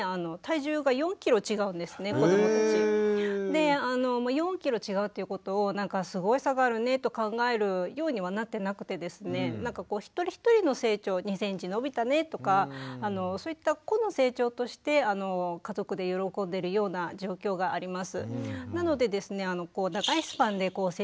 で４キロ違うということをなんかすごい差があるねと考えるようにはなってなくてですねなんか一人一人の成長２センチ伸びたねとかそういった個の成長として家族で喜んでるような状況があります。